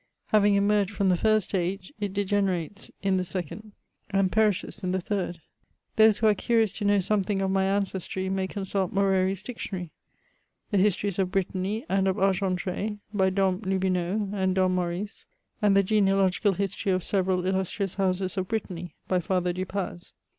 Having emerged from the first age, it degenerates in the second, and perishes in the third. Those who are curious to know something of my ancestry, may consult Moreri's Dictionary ; the Histories of Brittany and of Argentr^ by Dom Lubineau and Dom Morice ; and the *' Genealogical History of Several Illustrious Houses of Brittany," by Father Dupaz.